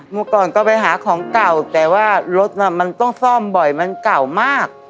เมื่อก่อนก็ไปหาของเก่าแต่ว่ารถน่ะมันต้องซ่อมบ่อยมันเก่ามาก